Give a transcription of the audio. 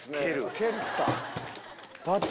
蹴った。